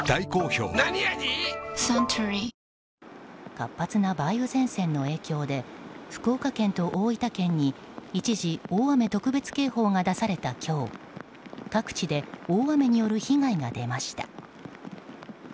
活発な梅雨前線の影響で福岡県と大分県に一時、大雨特別警報が出された今日各地で大雨による被害が出ました。